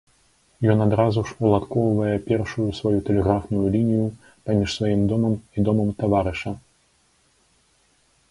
Ён адразу ж уладкоўвае першую сваю тэлеграфную лінію паміж сваім домам і домам таварыша.